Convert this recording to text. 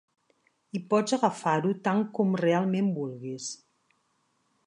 I pots agafar-ho tant com realment vulguis.